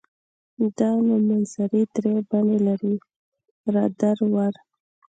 دا نومځري درې بڼې لري را در ور.